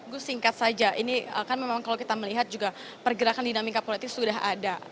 gus singkat saja ini kan memang kalau kita melihat juga pergerakan dinamika politik sudah ada